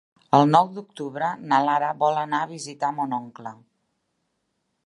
El nou d'octubre na Nara vol anar a visitar mon oncle.